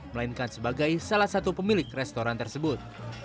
melainkan sebagai salah satu pemilik restoran tersebut